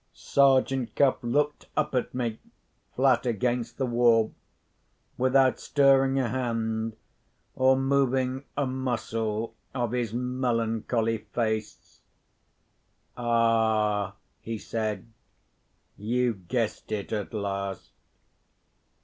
Sergeant Cuff looked up at me—flat against the wall—without stirring a hand, or moving a muscle of his melancholy face. "Ah," he said, "you've guessed it at last."